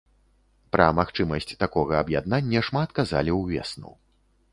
Пра магчымасць такога аб'яднання шмат казалі ўвесну.